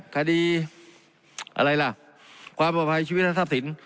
คดีอะไรล่ะความปกพายชีวิตทัพสิน